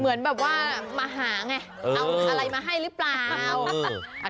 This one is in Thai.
เหมือนแบบว่ามาหาไงเอาอะไรมาให้หรือเปล่า